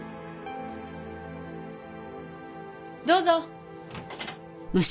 どうぞ。